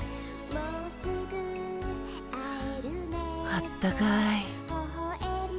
あったかい。